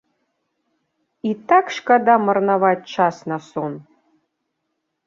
І так шкада марнаваць час на сон.